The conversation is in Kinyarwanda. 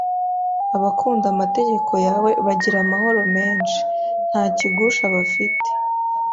“Abakunda amategeko yawe bagira amahoro menshi, nta kigusha bafite”